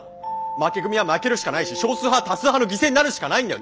負け組は負けるしかないし少数派は多数派の犠牲になるしかないんだよ！